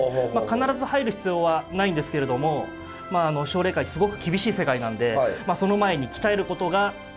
必ず入る必要はないんですけれどもまあ奨励会すごく厳しい世界なんでその前に鍛えることができるということなんですね。